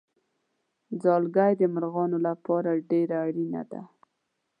ځالګۍ د مرغانو لپاره ډېره اړینه ده.